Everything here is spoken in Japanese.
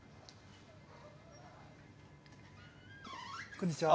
こんにちは。